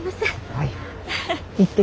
はい。